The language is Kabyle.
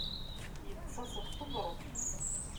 Iṭṭes-as ɣef wuḍṛef.